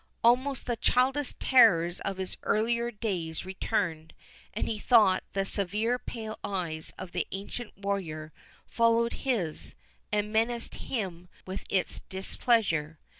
Almost the childish terrors of his earlier days returned, and he thought the severe pale eye of the ancient warrior followed his, and menaced him with its displeasure.